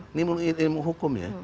ini ilmu hukum ya